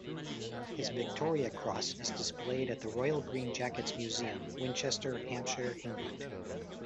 His Victoria Cross is displayed at the Royal Green Jackets Museum, Winchester, Hampshire, England.